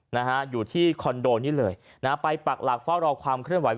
นะฮะอยู่ที่คอนโดนี้เลยนะฮะไปปักหลักเฝ้ารอความเคลื่อนไหว